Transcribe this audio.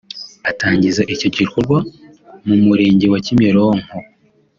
Atangiza icyo gikorwa mu murenge wa Kimironko